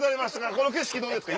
この景色どうですか？」